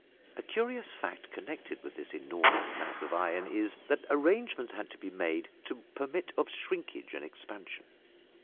A curious fact connected with this enormous mass of iron is, that arrangements had to be made to permit of shrinkage and expansion.